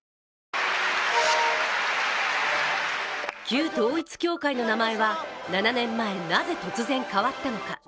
旧統一教会の名前は７年前、なぜ突然変わったのか。